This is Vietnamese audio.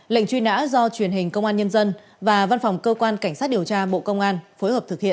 lệnh truy nã do truyền hình công an nhân dân và văn phòng cơ quan cảnh sát điều tra bộ công an phối hợp thực hiện